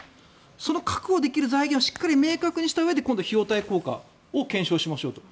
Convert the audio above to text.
その確保できる財源をしっかり明確にしたうえで今度、費用対効果を検証しましょうと。